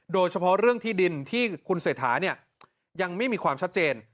โดยเฉพาะเรื่องที่ดินที่คุณเศรษฐายังไม่มีความชัดเจน